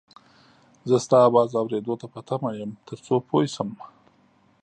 زه ستا اواز اورېدو ته په تمه یم تر څو پوی شم